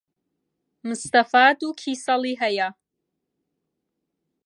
مستەفا دوو کیسەڵی ھەیە.